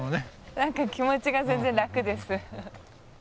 何か気持ちが全然楽です。